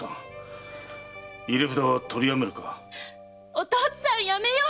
お父っつぁんやめよう！